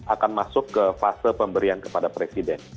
akan masuk ke fase pemberian kepada presiden